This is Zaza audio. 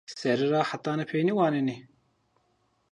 Sere ra hetanî peynî wanenê